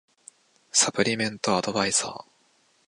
サプリメントアドバイザー